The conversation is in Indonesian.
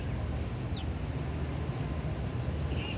asal sekolah sma negeri sembilan belas